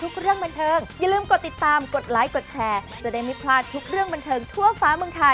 เขาเรียกว่าอะไรน้ำพึ่งเรือเสือพึ่งป่า